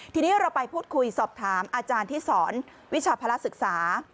ทีนี้เราไปพูดคุยสอบถามอาจารย์ที่สอนวิชาภาระศึกษา